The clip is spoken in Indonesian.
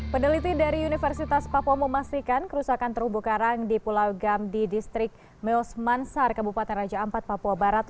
peneliti dari universitas papua memastikan kerusakan terumbu karang di pulau gam di distrik meos mansar kabupaten raja ampat papua barat